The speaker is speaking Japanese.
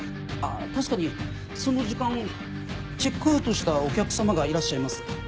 確かにその時間チェックアウトしたお客様がいらっしゃいます。